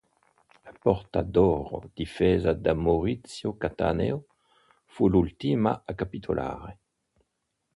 La Porta d'Oro, difesa da Maurizio Cattaneo, fu l'ultima a capitolare.